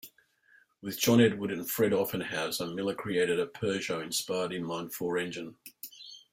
With John Edward and Fred Offenhauser, Miller created a Peugeot-inspired inline-four engine.